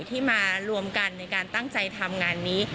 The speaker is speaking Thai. ที่มารวมกันในการตั้งใจทำงานนี้